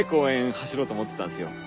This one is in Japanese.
走ろうと思ってたんすよ。